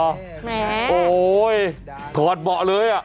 แหมโอ้โฮถอดเบาะเลยอะ